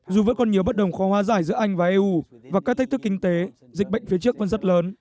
dù vẫn còn nhiều bất đồng khoa hóa giải giữa anh và eu và các thách thức kinh tế dịch bệnh phía trước vẫn rất lớn